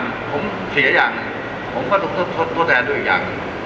ผมเสียอย่างหนึ่งผมก็ต้องทดทดแทนด้วยอีกอย่าง